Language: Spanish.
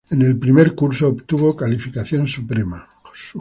En el primer curso obtuvo calificación suprema.